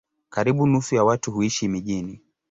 Karibu nusu ya watu huishi mijini.